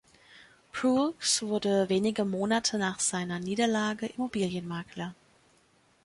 Proulx wurde wenige Monate nach seiner Niederlage Immobilienmakler.